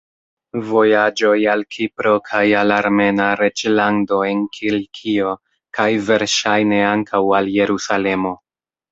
Vojaĝoj al Kipro kaj al Armena reĝlando en Kilikio, kaj verŝajne ankaŭ al Jerusalemo.